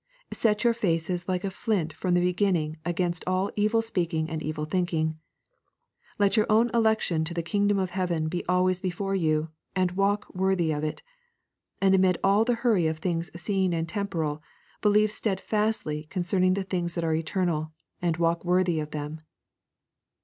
Set your faces like a flint from the beginning against all evil speaking and evil thinking. Let your own election to the kingdom of heaven be always before you, and walk worthy of it; and amid all the hurry of things seen and temporal, believe steadfastly concerning the things that are eternal, and walk worthy of them.